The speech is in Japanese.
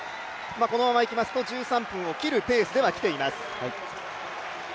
このままいきますと１３分を切るペースではきています。